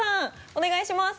お願いします。